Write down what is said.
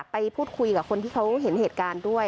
ไปพูดคุยกับคนที่เขาเห็นเหตุการณ์ด้วย